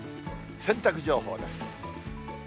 洗濯情報です。